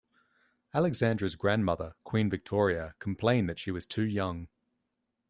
Alexandra's grandmother, Queen Victoria, complained that she was too young.